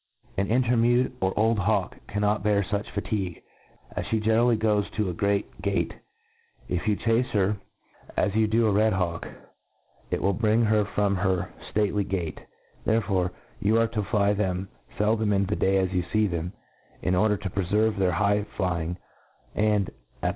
An enter mewed, or old hawk, c^not bear fuch fatigue ; 9nd, a; fhe generally goes to a great gate, if you chace her as you do a red hawk, it will bring her from her ftately gate, Therefore, you are to fly them feldom in the day as you fee them, in order to prefcrve their high flying j and, at the.